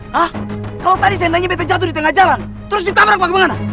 hah kalau tadi seandainya beta jatuh di tengah jalan terus ditabrak bagaimana